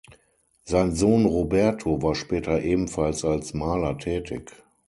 Sein Sohn Roberto war später ebenfalls als Maler tätig.